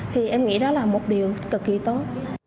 thì em nghĩ đó là một điều cực kỳ tốt